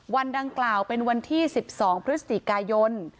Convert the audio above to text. วันดังกล่าวเป็นวันที่๑๒พฤศจิกายน